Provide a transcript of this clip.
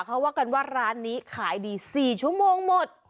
เขาว่ากันว่าร้านนี้ขายดี๔ชั่วโมงหมด